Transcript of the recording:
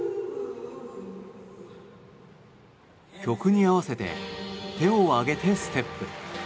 曲に合わせて手を上げてステップ。